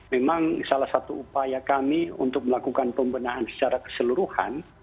memang salah satu upaya kami untuk melakukan pembenahan secara keseluruhan